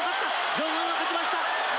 ジョンソンが勝ちました！